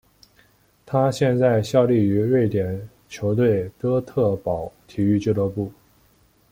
他现在效力于瑞典球队哥特堡体育俱乐部。